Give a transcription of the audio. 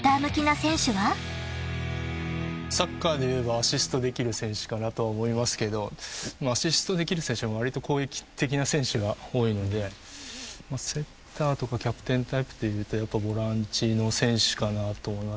サッカーで言えばアシストできる選手かなとは思いますけどアシストできる選手はわりと攻撃的な選手が多いのでセッターとかキャプテンタイプっていうとやっぱボランチの選手かなと思いますね。